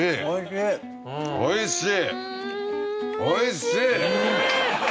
おいしい。